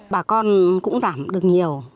bà con cũng giảm được nhiều